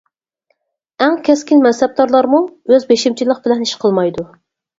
ئەڭ كەسكىن مەنسەپدارلارمۇ ئۆز بېشىمچىلىق بىلەن ئىش قىلمايدۇ.